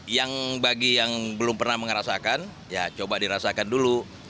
yang bagi yang belum pernah merasakan ya coba dirasakan dulu